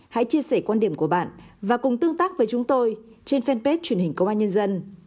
hãy chia sẻ quan điểm của bạn và cùng tương tác với chúng tôi trên fanpage truyền hình công an nhân dân